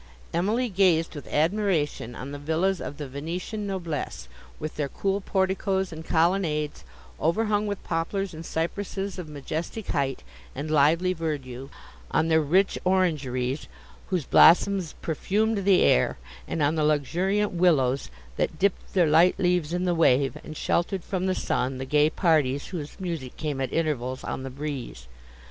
Emily gazed with admiration on the villas of the Venetian noblesse, with their cool porticos and colonnades, overhung with poplars and cypresses of majestic height and lively verdure; on their rich orangeries, whose blossoms perfumed the air, and on the luxuriant willows, that dipped their light leaves in the wave, and sheltered from the sun the gay parties whose music came at intervals on the breeze.